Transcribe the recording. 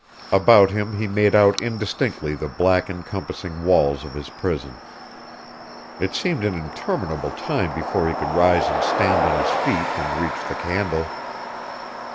About him he made out indistinctly the black encompassing walls of his prison. It seemed an interminable time before he could rise and stand on his feet and reach the candle.